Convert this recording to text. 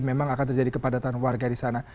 memang akan terjadi kepadatan warga di sana